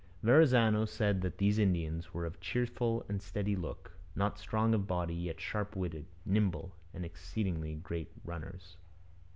Verrazano said that these Indians were of 'cheerful and steady look, not strong of body, yet sharp witted, nimble, and exceeding great runners.'